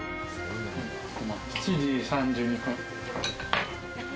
７時３２分。